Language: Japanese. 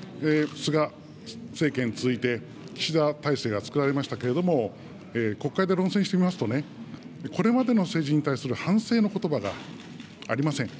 安倍・菅政権に続いて、岸田体制がつくられましたけれども、国会で論戦していますとね、これまでの政治に対する反省のことばがありません。